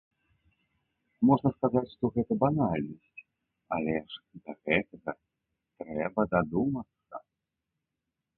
Можна сказаць, што гэта банальнасць, але ж да гэтага трэба дадумацца!